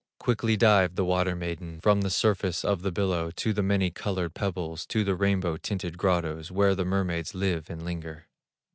Quickly dived the water maiden From the surface of the billow To the many colored pebbles, To the rainbow tinted grottoes Where the mermaids live and linger.